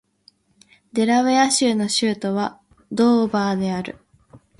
デラウェア州の州都はドーバーである